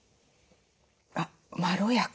あっまろやか。